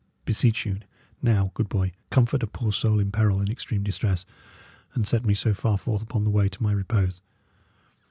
Beseech you, now, good boy, comfort a poor soul in peril and extreme distress, and set me so far forth upon the way to my repose."